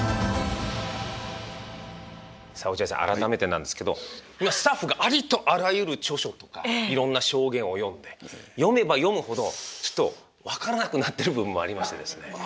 改めてなんですけどスタッフがありとあらゆる著書とかいろんな証言を読んで読めば読むほど分からなくなってる部分もありましてですね。